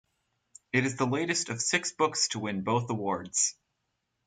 It is the latest of six books to win both awards.